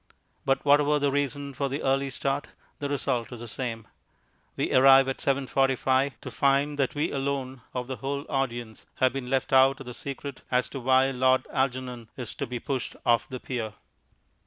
But whatever the reason for the early start, the result is the same. We arrive at 7.45 to find that we alone of the whole audience have been left out of the secret as to why Lord Algernon is to be pushed off the pier.